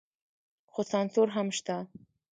خو سانسور هم شته.